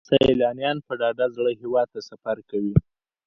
سیلانیان په ډاډه زړه هیواد ته سفر کوي.